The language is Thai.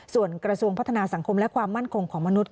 ส่วนกระทรวงพัฒนาสังคมและความมั่นคงของมนุษย